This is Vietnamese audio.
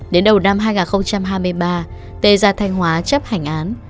đến đầu năm hai nghìn hai mươi ba tê ra thành hóa chấp hành án